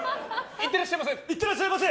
いってらっしゃいませ！